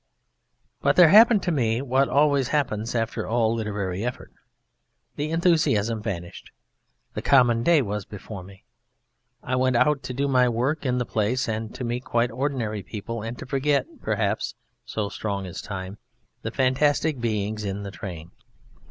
But there happened to me what always happens after all literary effort; the enthusiasm vanished, the common day was before me. I went out to do my work in the place and to meet quite ordinary people and to forget, perhaps, (so strong is Time) the fantastic beings in the train.